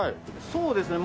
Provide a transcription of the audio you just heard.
そうですね